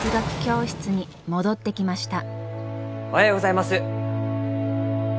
おはようございます。